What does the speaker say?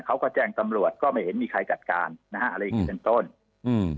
เขาก็แจ้งตำรวจก็ไม่เห็นมีใครจัดการนะฮะอะไรอย่างงี้เป็นต้นอืม